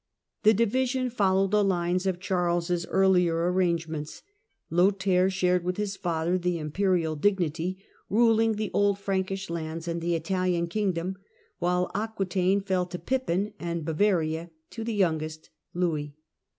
The division followed the lines of Charles' earlier arrangements — Lothair shared with his father the Imperial dignity, ruling the old Frankish lands and the Italian kingdom, while Aquetaine fell to Pippin and Bavaria to the youngest, Louis.